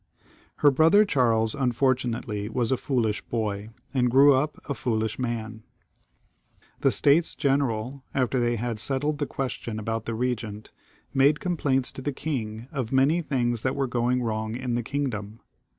Her brother Charles, unfortunately, was a foolish boy, and grew up a foolish man. The States General, after they had settled the question about the regent, made complaints to the king of many things that were going wrong jb the kingdom.